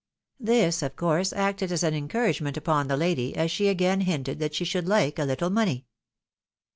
This, of course, acted as an encouragement upon the lady, and she again hinted that she should like a Uttle money.